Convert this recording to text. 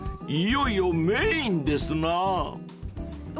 いよいよメインですな］